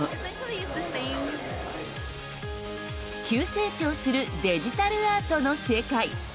急成長するデジタルアートの世界。